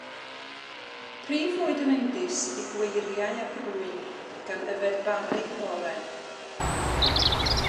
Prif fwyd y lindys ydy gweiriau a brwyn, gan yfed barrug y bore.